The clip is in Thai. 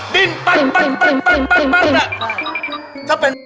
ดินปัด